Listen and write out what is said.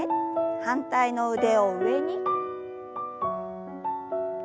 反対の腕を上に。